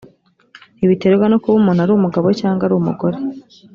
ntibiterwa no kuba umuntu ari umugabo cyangwa ari umugore